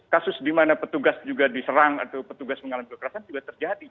kasus di mana petugas juga diserang atau petugas mengalami kekerasan juga terjadi